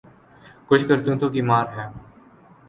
کچھ کرتوتوں کی مار ہے۔